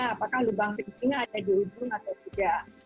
harus dilihat kelihatan kekelaminnya